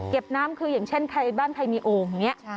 เก็บน้ำคืออย่างเช่นใครบ้านไขมีโอ่งเนี่ย